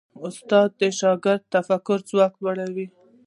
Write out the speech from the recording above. استاد د شاګرد د فکر ځواک لوړوي.